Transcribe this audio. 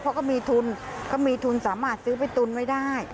เพราะก็มีทุนก็มีทุนสามารถซื้อไปตุนไว้ได้